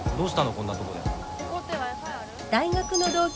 こんなとこで。